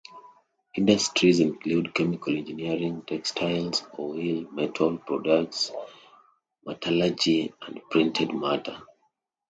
Industries include chemical engineering, textiles, oil, metal products, metallurgy and printed matter.